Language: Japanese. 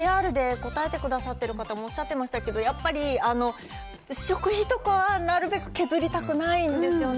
ＶＴＲで答えてくださってる方もおっしゃってましたけど、やっぱり食費とかはなるべく削りたくないんですよね。